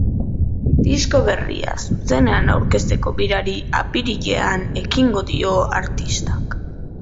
Disko berria zuzenean arukezteko birari apirilean ekingo dio artistak.